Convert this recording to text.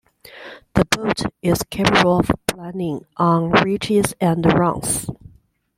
The boat is capable of planing on reaches and runs.